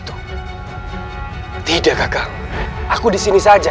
lu sekarang aku di sini saja